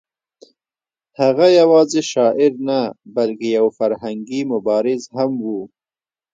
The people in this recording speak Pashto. هغه یوازې شاعر نه بلکې یو فرهنګي مبارز هم و.